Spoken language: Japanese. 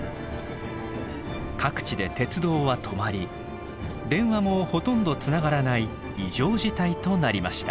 各地で鉄道は止まり電話もほとんどつながらない異常事態となりました。